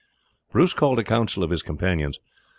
Bruce called a council of his companions.